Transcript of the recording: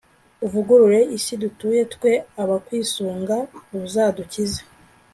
uvugurure isi dutuye, twe abakwisunga uzadukize